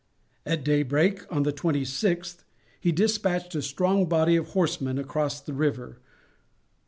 At daybreak on the twenty sixth he despatched a strong body of horsemen across the river.